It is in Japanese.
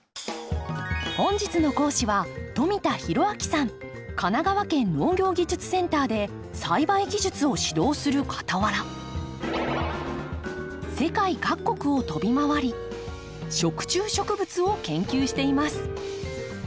本日の講師は神奈川県農業技術センターで栽培技術を指導するかたわら世界各国を飛び回り食虫植物を研究しています。